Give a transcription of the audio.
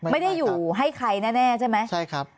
ไม่ได้อยู่ให้ใครแน่ใช่ไหมใช่ครับ